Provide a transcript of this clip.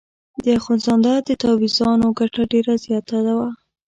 د اخندزاده د تاویزانو ګټه ډېره زیاته وه.